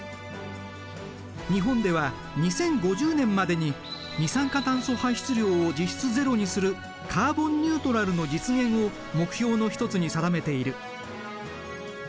日本では２０５０年までに二酸化炭素排出量を実質ゼロにするカーボンニュートラルの実現を目標の一つに定めている。